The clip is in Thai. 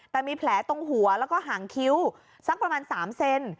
แต่มีแผลตรงหัวแล้วก็หางคิ้วสักประมาณ๓เซน